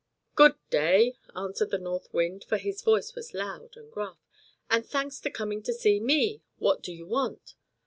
"GOOD DAY!" answered the North Wind, for his voice was loud and gruff, "AND THANKS FOR COMING TO SEE ME. WHAT DO YOU WANT?"